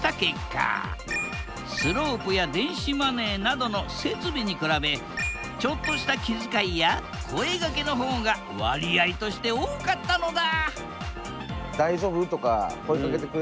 スロープや電子マネーなどの設備に比べちょっとした気遣いや声がけの方が割合として多かったのだ！